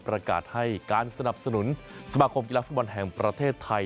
ประกาศให้การสนับสนุนสมาคมกีฬาฟุตบอลแห่งประเทศไทย